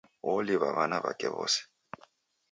Woliw'a w'ana w'ake w'ose.